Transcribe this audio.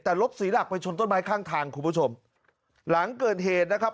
แต่รถเสียหลักไปชนต้นไม้ข้างทางคุณผู้ชมหลังเกิดเหตุนะครับ